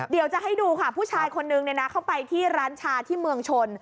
เดี๋ยวจะให้ดูค่ะผู้ชายคนนึงเข้าไปที่ร้านชาที่เมืองชน